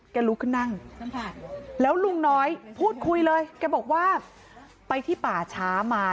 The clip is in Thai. ลุกขึ้นนั่งแล้วลุงน้อยพูดคุยเลยแกบอกว่าไปที่ป่าช้ามา